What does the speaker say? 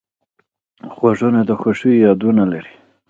غوږونه د خوښیو یادونه لري